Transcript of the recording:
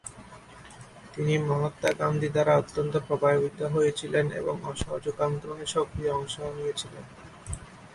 তিনি মহাত্মা গান্ধী দ্বারা অত্যন্ত প্রভাবিত হয়েছিলেন এবং অসহযোগ আন্দোলনে সক্রিয় অংশ নিয়েছিলেন।